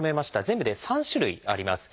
全部で３種類あります。